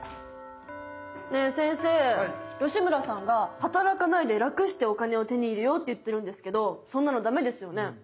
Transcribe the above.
ねえ先生吉村さんが働かないで楽してお金を手に入れようって言ってるんですけどそんなのダメですよね。